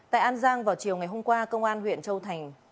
tại an giang vào chiều ngày hôm qua công an huyện châu thành